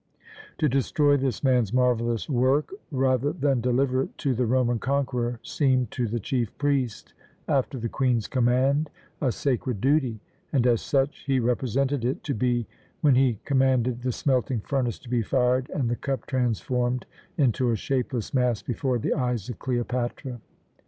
To destroy this man's marvellous work rather than deliver it to the Roman conqueror seemed to the chief priest, after the Queen's command, a sacred duty, and as such he represented it to be when he commanded the smelting furnace to be fired and the cup transformed into a shapeless mass before the eyes of Cleopatra.